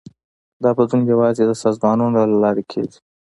دا بدلون یوازې د سازمانونو له لارې کېږي.